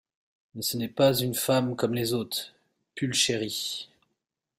Mais ce n'est pas une femme comme les autres, Pulchérie …